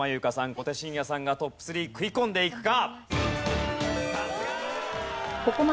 小手伸也さんがトップ３食い込んでいくか？